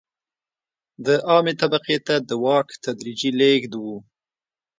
د عامې طبقې ته د واک تدریجي لېږد و.